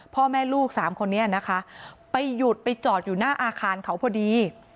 พ่อแม่ลูกสามคนนี้นะคะไปหยุดไปจอดอยู่หน้าอาคารเขาพอดี